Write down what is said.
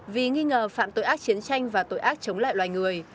vì nghi ngờ phạm tội ác chiến tranh và tội ác chống lại loài người